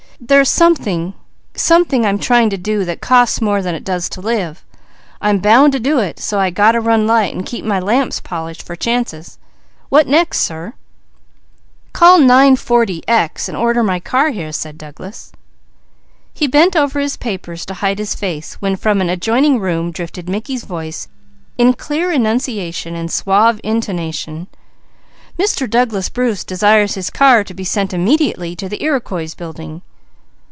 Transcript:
There's a there's something something I'm trying to do that costs more than it does to live. I'm bound to do it, so I got to run light and keep my lamps polished for chances. What next, sir?" "Call 9 40 X, and order my car here," said Douglas. He bent over his papers to hide his face when from an adjoining room drifted Mickey's voice in clear enunciation and suave intonation: "Mr. Douglas Bruce desires his car to be sent immediately to the Iroquois Building."